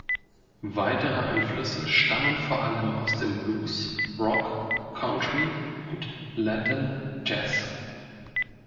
Weitere Einflüsse stammen vor allem aus dem Blues, Rock, Country und Latin Jazz.